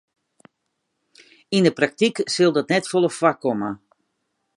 Yn 'e praktyk sil dat net folle foarkomme.